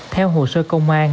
theo hồ sơ công an